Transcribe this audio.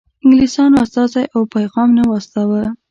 انګلیسیانو استازی او پیغام نه و استاوه.